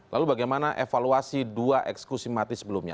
lalu bagaimana evaluasi dua eksekusi mati sebelumnya